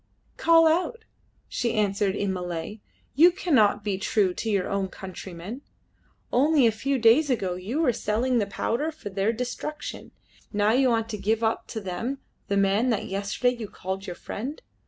"Call out," she answered in Malay, "you that cannot be true to your own countrymen. Only a few days ago you were selling the powder for their destruction; now you want to give up to them the man that yesterday you called your friend.